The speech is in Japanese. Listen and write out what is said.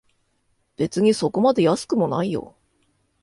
別にそこまで安くもないよ